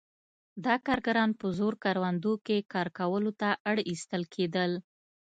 دا کارګران په زور کروندو کې کار کولو ته اړ ایستل کېدل.